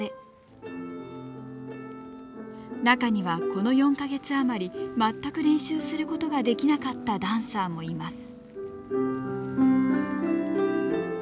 中にはこの４か月余り全く練習することができなかったダンサーもいます。